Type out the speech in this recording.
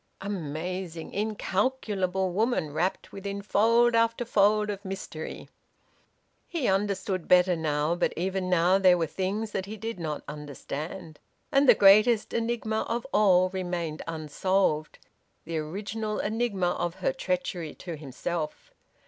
Amazing, incalculable woman, wrapped within fold after fold of mystery! He understood better now, but even now there were things that he did not understand; and the greatest enigma of all remained unsolved, the original enigma of her treachery to himself...